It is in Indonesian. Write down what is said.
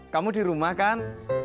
kamu di rumah kan